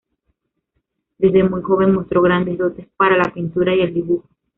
Desde muy joven, mostró grandes dotes para la pintura y el dibujo.